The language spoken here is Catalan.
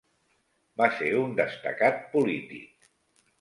Va ser un destacat polític.